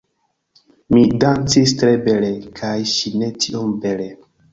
Mi dancis tre bele kaj ŝi ne tiom bele